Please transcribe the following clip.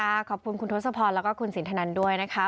ค่ะขอบคุณคุณทุศพรและคุณสินถนนด้วยนะคะ